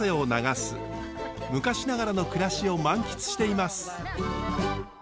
昔ながらの暮らしを満喫しています。